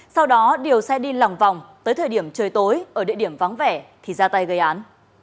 sau đó điều xe đi lòng vòng tới thời điểm trời tối ở địa điểm vắng vẻ thì ra tay gây án